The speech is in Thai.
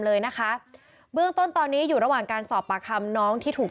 เลยนะคะเบื้องต้นตอนนี้อยู่ระหว่างการสอบปากคำน้องที่ถูก